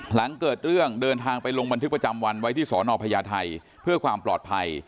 หลังเกิดเรื่องเดินทางไปลงบันทึกประจำวันไว้ที่สอนอพญาไทยเพื่อความปลอดภัย